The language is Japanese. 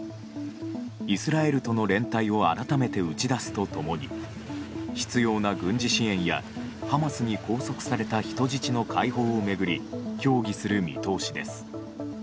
イスラエルとの連帯を改めて打ち出すと共に必要な軍事支援やハマスに拘束された人質の解放を巡り協議する見通しです。